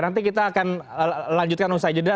nanti kita akan lanjutkan usai jeda